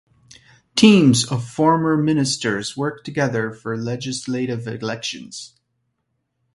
Teams of former ministers work together for legislative elections.